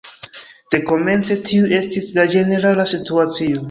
Dekomence tiu estis la ĝenerala situacio.